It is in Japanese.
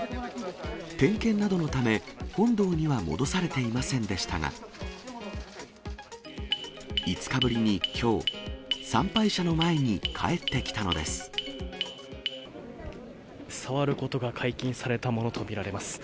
点検などのため、本堂には戻されていませんでしたが、５日ぶりにきょう、触ることが解禁されたものと見られます。